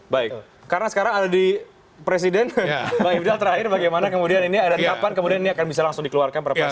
baik karena sekarang ada di presiden pak ifdal terakhir bagaimana kemudian ini ada kapan kemudian ini akan bisa langsung dikeluarkan perpres